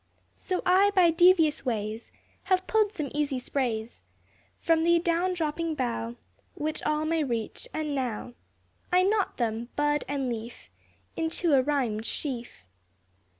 So I by devious ways Have pulled some easy sprays From the down dropping bough Which all may reach, and now I knot them, bud and leaf, Into a rhymed sheaf.